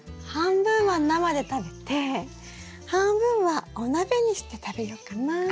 半分は生で食べて半分はお鍋にして食べようかな。